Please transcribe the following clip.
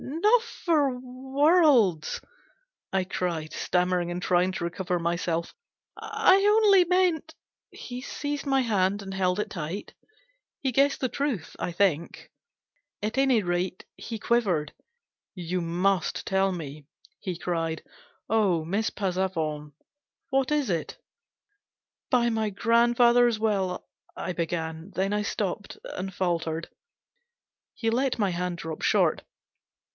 "Not for worlds," I cried, stammering and trying to recover myself. " I only meant " He seized my hand, and held it tight. He guessed the truth, I think. At any rate, he quivered. " You must tell me !" he cried. " Oh ! Miss Passavant, what is it ?"" By my grandfather's will," I began ; then I stopped and faltered. He let my hand drop short.